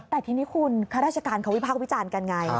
แต่ทีนี้คุณข้าราชการเขาวิพากษ์วิจารณ์กันไง